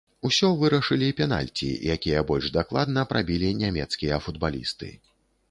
Усё вырашылі пенальці, якія больш дакладна прабілі нямецкія футбалісты.